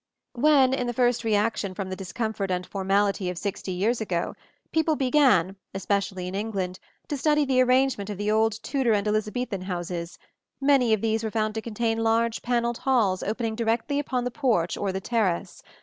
When, in the first reaction from the discomfort and formality of sixty years ago, people began, especially in England, to study the arrangement of the old Tudor and Elizabethan houses, many of these were found to contain large panelled halls opening directly upon the porch or the terrace.